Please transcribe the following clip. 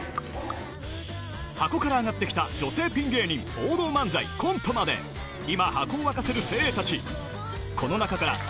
ハコから上がってきた女性ピン芸人、王道漫才、コントまで、今、ハコを沸かせる精鋭たち。